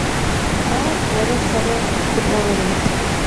Ар уэрэ сэрэ къыдгурыӀуэнукъым.